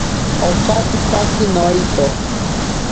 Okatsitake noito.